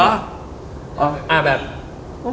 เอ้อที่มุดไหล